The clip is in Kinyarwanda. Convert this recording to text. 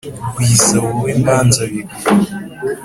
gwiza wowe mbanzabigwi